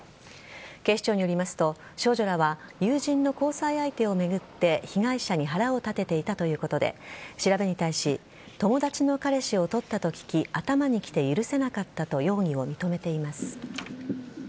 警視庁によりますと少女らは友人の交際相手を巡って被害者に腹を立てていたということで調べに対し友達の彼氏を取ったと聞き頭にきて許せなかったと容疑を認めています。